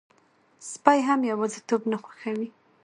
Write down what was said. سپي هم یواځيتوب نه خوښوي.